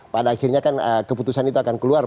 pada akhirnya kan keputusan itu akan keluar